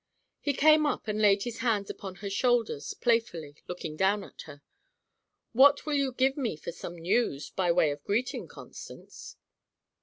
He came up and laid his hands upon her shoulders playfully, looking down at her. "What will you give me for some news, by way of greeting, Constance?"